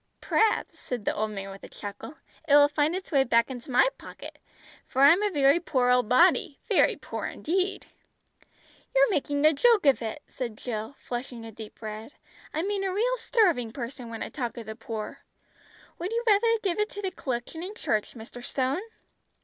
"P'raps," said the old man with a chuckle, "it will find its way back into my pocket, for I'm a very poor old body, very poor indeed!" "You're making a joke of it," said Jill, flushing a deep red. "I mean a real starving person, when I talk of the poor. Would you rather give it to the collection in church, Mr. Stone?"